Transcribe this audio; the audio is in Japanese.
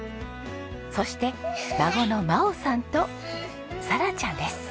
そして孫の真緒さんと紗良ちゃんです。